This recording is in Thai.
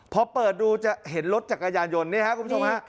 พอเปิดดูจะเห็นรถจักรยานยนต์นี่ครับคุณผู้ชมฮะ